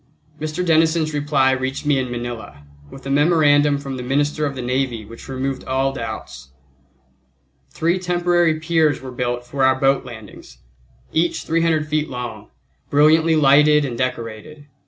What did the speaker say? Mr. Denison's reply reached me in Manila, with a memorandum from the Minister of the Navy which removed all doubts. Three temporary piers were built for our boat landings, each 300 feet long, brilliantly lighted and decorated.